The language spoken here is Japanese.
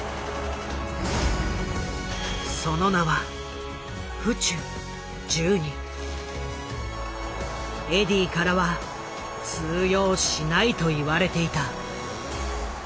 その名はエディーからは通用しないと言われていた。